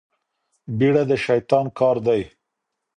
بيړه د شيطان کار دی.